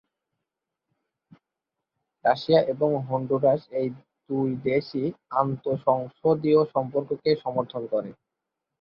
Russia এবং Honduras এই দুই দেশই আন্তঃসংসদীয় সম্পর্ককে সমর্থন করে।